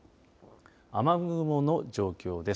雨雲の状況です。